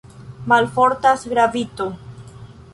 Malfortas gravito!